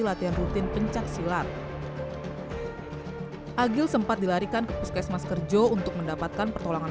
latihan rutin pencaksilat agil sempat dilarikan ke puskesmas kerjo untuk mendapatkan pertolongan